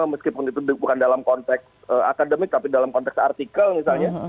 meskipun itu bukan dalam konteks akademik tapi dalam konteks artikel misalnya